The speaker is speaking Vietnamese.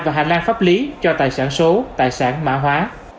và hạng lan pháp lý cho tài sản số tài sản mã hóa